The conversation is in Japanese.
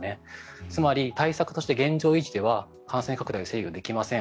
つまり、対策として現状維持では感染拡大を制御できません。